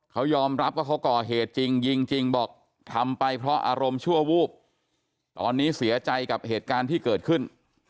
เขายอมรับว่าเขาก่อเหตุจริงยิงจริงบอกทำไปเพราะอารมณ์ชั่ววูบตอนนี้เสียใจกับเหตุการณ์ที่เกิดขึ้น